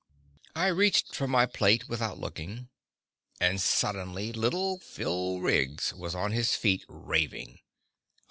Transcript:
I reached for my plate without looking. And suddenly little Phil Riggs was on his feet, raving.